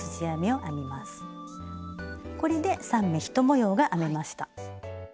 これで３目１模様が編めました。